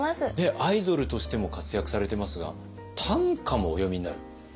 アイドルとしても活躍されてますが短歌もお詠みになる？